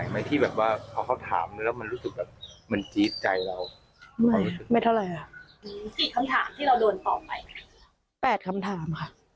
ส่วนใหญ่จะเป็นคำถามลักษณะไหน